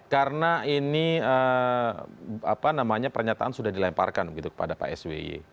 karena ini apa namanya pernyataan sudah dilemparkan begitu kepada pak sby